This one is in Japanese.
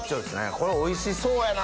これおいしそうやな。